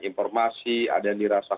informasi ada yang dirasa